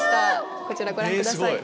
こちらご覧ください。